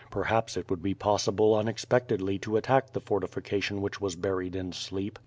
Per ha})s it would be possible unexpectedly to attack the fortifi cation which was buried in sleep.